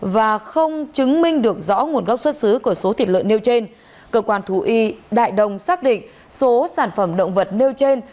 và không chứng minh được rõ nguồn gốc xuất xứ của số thịt lợn nêu trên cơ quan thú y đại đông xác định số sản phẩm động vật nêu trên